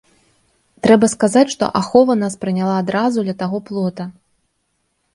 Трэба сказаць, што ахова нас прыняла адразу ля таго плота.